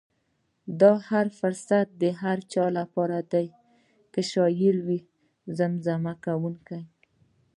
دا فرصت د هر چا لپاره دی، که شاعر وي که زمزمه کوونکی.